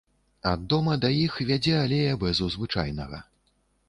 Ад дома да іх вядзе алея бэзу звычайнага.